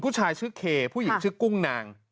ผู้ชายชื่อเคผู้หญิงชื่อกุ้งนาง